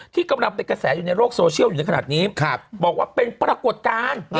ที่กำลังเป็นกระแสอยู่ในโลกโซเชียลอยู่ในขณะนี้บอกว่าเป็นปรากฏการณ์